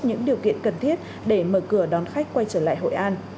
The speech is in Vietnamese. những điều kiện cần thiết để mở cửa đón khách quay trở lại hội an